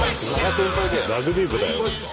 ラグビー部だよ。